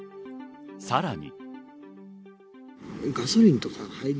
さらに。